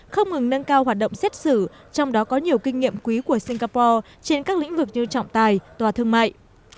không ngừng nâng cao hoạt động xét xử trong đó có nhiều kinh nghiệm quý của singapore trên các lĩnh vực như trọng tài tòa thương mại